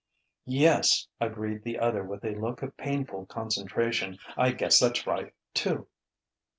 "Yes," agreed the other with a look of painful concentration; "I guess that's right, too."